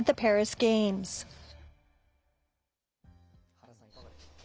原さん、いかがでしたか。